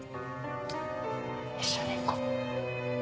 一緒に行こう。